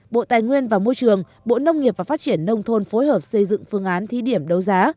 bộ tài nguyên và môi trường bộ nông nghiệp và phát triển nông thôn phối hợp xây dựng phương án thí điểm đấu giá